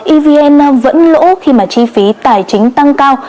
bốn năm evn vẫn lỗ khi mà chi phí tài chính tăng cao